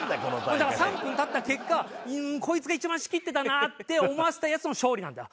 だから３分経った結果こいつが一番仕切ってたなって思わせたヤツの勝利なんだ。